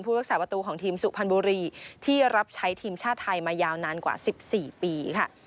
รักษาประตูของทีมสุพรรณบุรีที่รับใช้ทีมชาติไทยมายาวนานกว่า๑๔ปีค่ะ